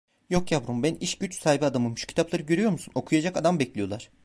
Yook yavrum, ben iş güç sahibi adamım, şu kitapları görüyor musun, okuyacak adam bekliyorlar.